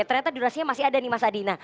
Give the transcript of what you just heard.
oke ternyata durasinya masih ada nih mas adina